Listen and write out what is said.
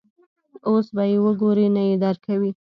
اوس به یې وګورې، نه یې درکوي.